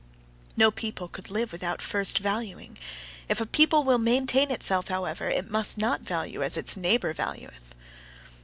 No people could live without first valuing; if a people will maintain itself, however, it must not value as its neighbour valueth.